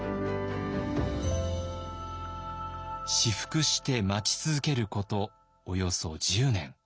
雌伏して待ち続けることおよそ１０年。